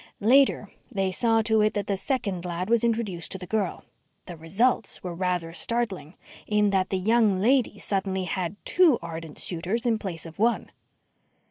Later, they saw to it that the second lad was introduced to the girl. The results were rather startling, in that the young lady suddenly had two ardent suitors in place of one."